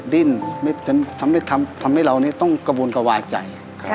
ดิ้นทำให้เราต้องกระวนกระวายใจ